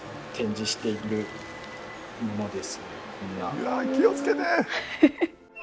うわ気を付けて！